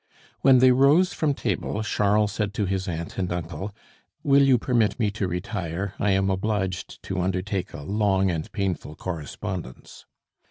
When they rose from table Charles said to his aunt and uncle, "Will you permit me to retire? I am obliged to undertake a long and painful correspondence."